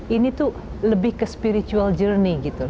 ini tuh lebih ke spiritual journey gitu